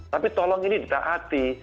tapi tolong ini dihati